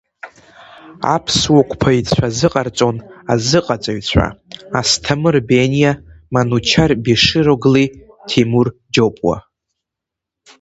Аԥсуа қәԥаҩцәа азыҟарҵон азыҟаҵаҩцәа Асҭамыр Бениа, Манучар Бешир оглы, Тимур Џьопуа.